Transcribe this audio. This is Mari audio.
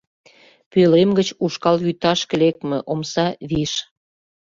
Пӧлем гыч ушкал вӱташке лекме омса виш.